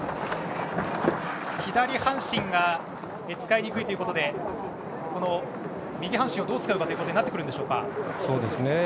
左半身が使いにくいということで右半身をどう使うかということになってくるんでしょうか。